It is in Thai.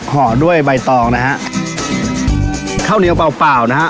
ห่อด้วยใบตองนะฮะข้าวเหนียวเปล่าเปล่านะฮะ